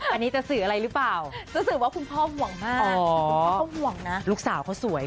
อันนี้จะสื่ออะไรหรือเปล่ารู้สึกว่าคุณพ่อห่วงมากคุณพ่อเขาห่วงนะลูกสาวเขาสวย